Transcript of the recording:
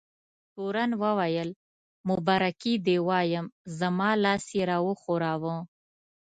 تورن وویل: مبارکي دې وایم، زما لاس یې را وښوراوه.